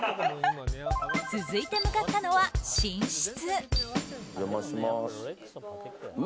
続いて向かったのは寝室。